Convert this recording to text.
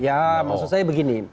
ya maksud saya begini